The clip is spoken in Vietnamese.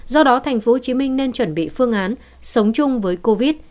do đó tp hcm nên chuẩn bị phương án sống chung với covid